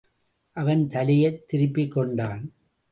அவன் தலையைத் திருப்பிக் கொண்டான்.